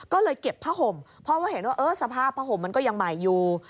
ก็เลยเก็บผ้าห่มเพราะว่าเห็นว่าสภาพผ้าห่มมันก็ยังใหม่อยู่